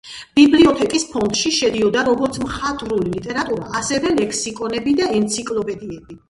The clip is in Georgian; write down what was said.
ბიბლიოთეკის ფონდში შედიოდა როგორც მხატვრული ლიტერატურა, ასევე ლექსიკონები და ენციკლოპედიები.